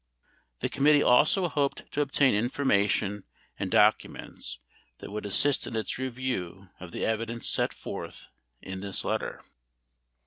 The committee also hoped to obtain information and documents that would assist in its review of the evidence set forth in the letter.